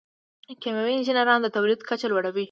کیمیاوي انجینران د تولید کچه لوړوي.